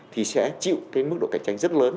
thì sẽ chịu cái mức độ cạnh tranh rất lớn